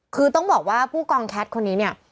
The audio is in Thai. คือต้องบอกว่าผู้กองแคทคนนี้เนี่ย